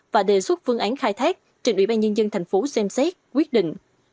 và đề xuất phương án khai thác trình ủy ban nhân dân thành phố xem xét quyết định